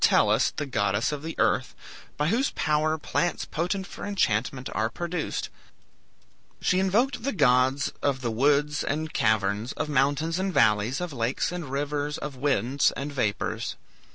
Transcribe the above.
] the goddess of the underworld, and to Tellus the goddess of the earth, by whose power plants potent for enchantment are produced. She invoked the gods of the woods and caverns, of mountains and valleys, of lakes and rivers, of winds and vapors.